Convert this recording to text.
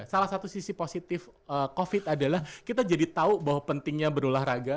salah satu sisi positif covid adalah kita jadi tahu bahwa pentingnya berolahraga